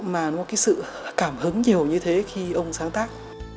một cái sự cảm hứng nhiều như thế khi ông sáng tác